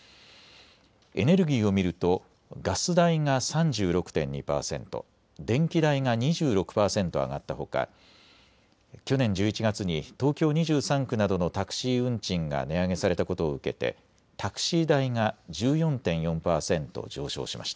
エネルギーを見るとガス代が３６．２％、電気代が２６％上がったほか、去年１１月に東京２３区などのタクシー運賃が値上げされたことを受けてタクシー代が１４．４％上昇しました。